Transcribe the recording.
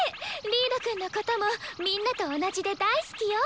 リードくんのこともみんなと同じで大好きよ！